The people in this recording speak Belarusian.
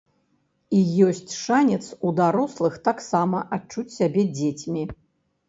І ёсць шанец у дарослых таксама адчуць сябе дзецьмі.